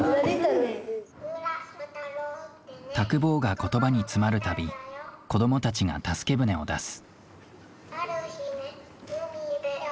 タクボーが言葉に詰まるたび子どもたちが助け船を出す。